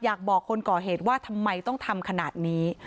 อยากบอกคนก่อเหตุว่าทำไมต้องทำขนาดนี้